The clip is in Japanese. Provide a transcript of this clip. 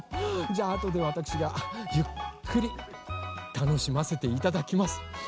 じゃああとでわたくしがゆっくりたのしませていただきます。